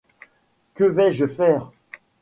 Que vais-je faire ?